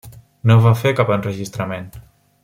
No va fer cap enregistrament.